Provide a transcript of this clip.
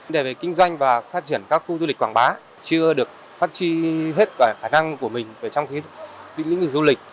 để về kinh doanh và phát triển các khu du lịch quảng bá chưa được phát tri hết khả năng của mình trong lĩnh vực du lịch